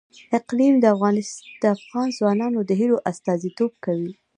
اقلیم د افغان ځوانانو د هیلو استازیتوب کوي.